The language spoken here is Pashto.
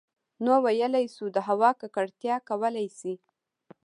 نـو ٫ويلـی شـوو د هـوا ککـړتـيا کـولی شـي